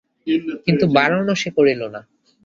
কিন্তু বারণও সে করিল না।